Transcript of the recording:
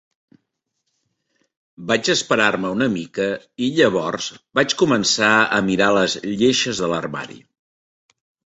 Vaig esperar-me una mica i, llavors, vaig començar a mirar les lleixes de l'armari.